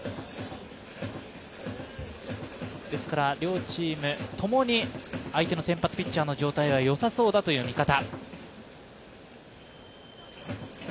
両チームともに相手の先発ピッチャーの状態はよさそうだという見方。